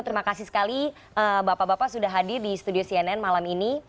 terima kasih sekali bapak bapak sudah hadir di studio cnn malam ini